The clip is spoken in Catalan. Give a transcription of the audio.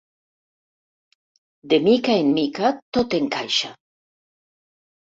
De mica en mica tot encaixa.